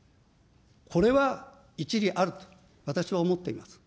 これは一理あると、私は思っています。